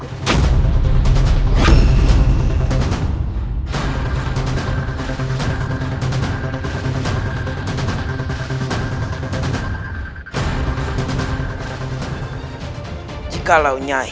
kepada ketiga dukun santri